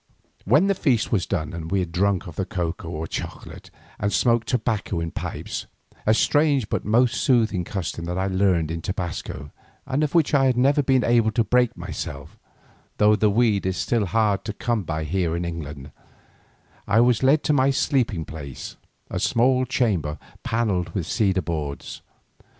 When the feast was done and we had drunk of the cocoa or chocolate, and smoked tobacco in pipes, a strange but most soothing custom that I learned in Tobasco and of which I have never been able to break myself, though the weed is still hard to come by here in England, I was led to my sleeping place, a small chamber panelled with cedar boards.